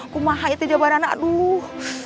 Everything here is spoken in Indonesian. kumaha itu jawaban anak aduh